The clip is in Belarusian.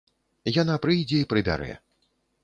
Яна прыйдзе і прыбярэ.